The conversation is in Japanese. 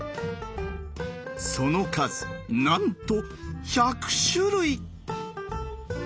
その数なんと１００種類！